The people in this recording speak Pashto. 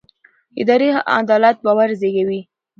اداري عدالت باور زېږوي